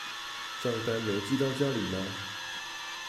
帳單沒寄到家裡嗎？